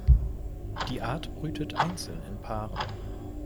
Die Art brütet einzeln in Paaren.